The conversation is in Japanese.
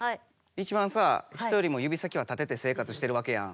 いちばんさ人よりも指先は立てて生活してるわけやん？